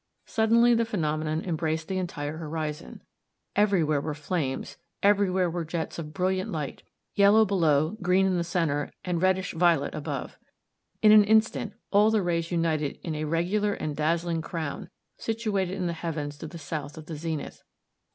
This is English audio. Suddenly, the phenomenon embraced the entire horizon. Everywhere were flames, everywhere were jets of brilliant light, yellow below, green in the center, and reddish violet above. In an instant, all the rays united in a regular and dazzling crown, situated in the heavens to the south of the zenith.